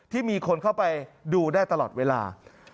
ที่มีคนเข้าไปดูได้ตลอดเวลา